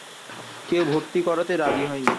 কেউ ভর্তি করাতে রাজি হয় নি।